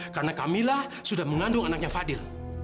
karena kamila sudah mengandung anaknya fadil